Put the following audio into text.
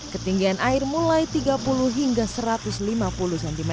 ketinggian air mulai tiga puluh hingga satu ratus lima puluh cm